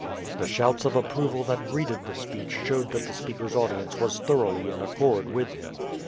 The shouts of approval that greeted the speech showed that the speaker's audience was thoroughly in accord with him.